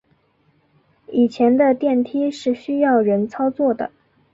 以前的电梯是需要人操作的。